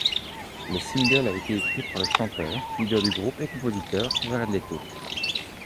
Le single a été écrit par le chanteur, leader du groupe et compositeur Jared Leto.